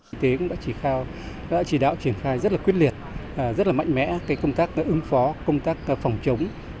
y tế cũng đã chỉ đạo triển khai rất là quyết liệt rất là mạnh mẽ công tác ứng phó công tác phòng chống